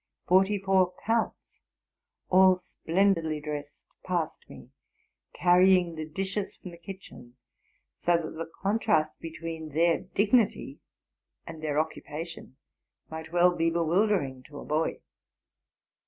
Forty four counts, all splendidly dressed, passed me, carry ing the dishes from the kitchen ; so that the contrast between their dignity and their occupation might well be bewilder ing to a boy.